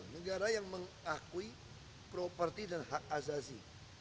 negara yang mengakui properti dan hak azazi